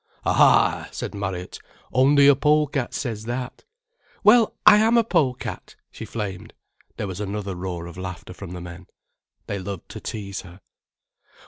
"Ah," said Marriott. "Only a pole cat says that." "Well, I am a pole cat," she flamed. There was another roar of laughter from the men. They loved to tease her.